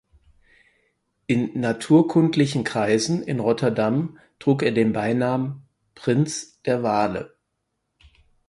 In naturkundlichen Kreisen in Rotterdam trug er den Beinamen "Prinz der Wale".